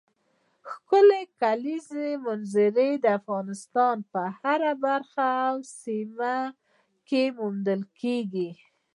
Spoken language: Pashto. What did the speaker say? ښکلې کلیزو منظره د افغانستان په هره برخه او سیمه کې موندل کېږي.